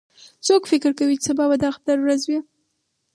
څوک فکر کوي چې سبا به د اختر ورځ وي